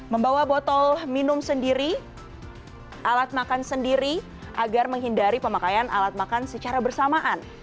membawa botol minum sendiri alat makan sendiri agar menghindari pemakaian alat makan secara bersamaan